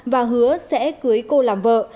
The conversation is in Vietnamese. và hứa sẽ cưới cô làm vợ